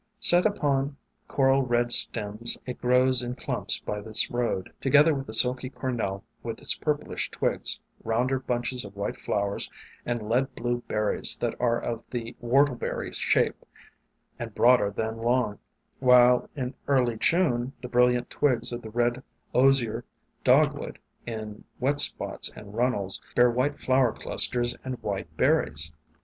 Set upon coral red stems, it grows in clumps by this road, together with the Silky Cor nel with its purplish twigs, rounder bunches of white flowers and lead blue berries that are of the whortleberry shape and broader than long; while in early June the brilliant twigs of the Red Osier Dogwood, in wet spots and runnels, bear white flower clusters and white berries.